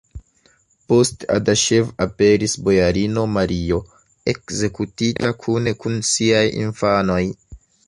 Post Adaŝev aperis bojarino Mario, ekzekutita kune kun siaj infanoj.